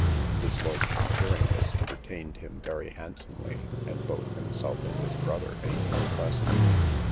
His lordship, hearing this, entertained him very handsomely, and both himself and his brother made him a present.